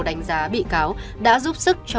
đánh giá bị cáo đã giúp sức cho